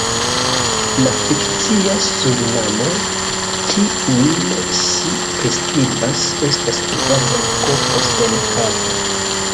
La fikcia Surinamo, kiun ŝi priskribas, estas kvazaŭ korpo sen kapo.